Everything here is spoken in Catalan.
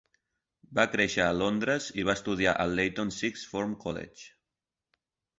Va créixer a Londres i va estudiar al Leyton Sixth Form College.